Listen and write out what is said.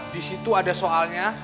di situ ada soalnya